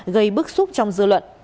gây bức xúc trong dư luận